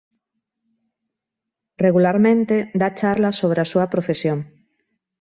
Regularmente dá charlas sobre a súa profesión.